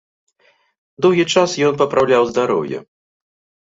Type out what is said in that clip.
Доўгі час ён папраўляў здароўе.